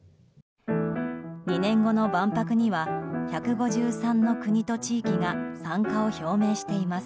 ２年後の万博には１５３の国と地域が参加を表明しています。